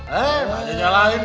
hei enggak jalanin gitu